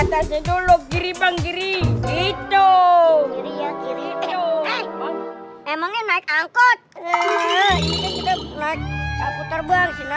sekarang ini teman bu to kod wolverine